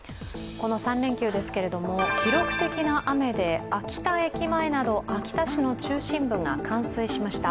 この３連休ですけれども記録的な雨で秋田駅前など秋田市の中心部が冠水しました。